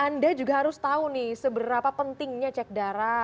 anda juga harus tahu nih seberapa pentingnya cek darah